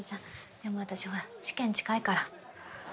でも私ほら試験近いから。